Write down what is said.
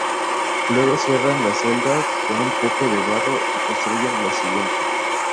Luego cierran la celda con un poco de barro y construyen la siguiente.